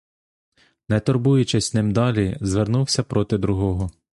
Не турбуючись ним далі, звернувся проти другого.